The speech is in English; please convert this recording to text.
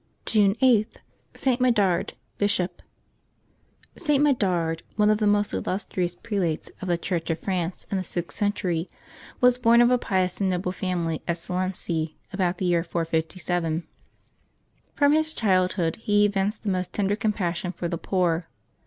June 8.— ST. MEDARD, Bishop. T. Medard, one of the most illustrious prelates of the Church of France in the sixth centur}', was born of a pious and noble family, at Salency, about the year 457. From his childhood he evinced the most tender compas sion for the poor.